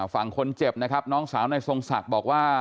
ฝั่งคนเจ็บนะครับน้องสาวในทรงศักดิ์บอกว่า